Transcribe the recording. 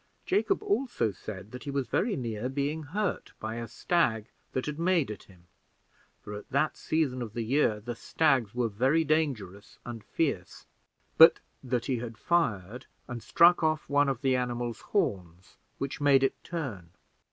Jacob also said that he was very near being hurt by a stag that had made at him for at that season of the year the stags were very dangerous and fierce but that he had fired, and struck off one of the animal's horns, which made it turn.